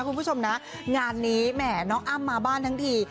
คุณผู้ชมนะงานนี้แหมน้องอ้ำมาบ้านทั้งที